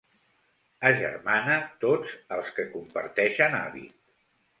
Agermana tots els que comparteixen hàbit.